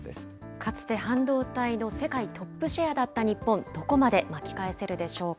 かつて半導体の世界トップシェアだった日本、どこまで巻き返せるでしょうか。